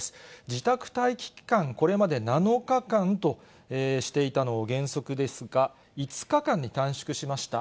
自宅待機期間、これまで７日間としていたのが原則ですが、５日間に短縮しました。